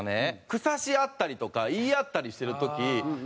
腐し合ったりとか言い合ったりしてる時周り